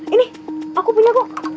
ini aku punya